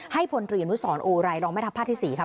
ให้ผลเรียนวุฒิสอนโอไรรองแม่ทัพภาคที่๔ค่ะ